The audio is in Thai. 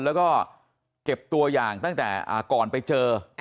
แล้วก็เก็บตัวอย่างตั้งแต่ก่อนไปเจอ